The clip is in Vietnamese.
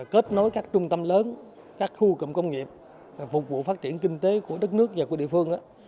kết nối các trung tâm lớn các khu cụm công nghiệp phục vụ phát triển kinh tế của đất nước và của địa phương